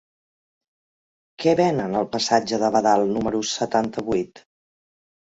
Què venen al passatge de Badal número setanta-vuit?